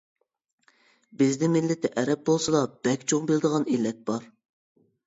بىزدە مىللىتى ئەرەب بولسىلا بەك چوڭ بىلىدىغان ئىللەت بار.